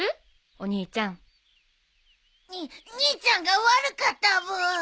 お兄ちゃん。に兄ちゃんが悪かったブー。